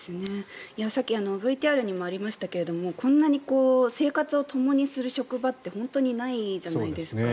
さっきＶＴＲにもありましたけどもこんなに生活をともにする職場って本当にないじゃないですか。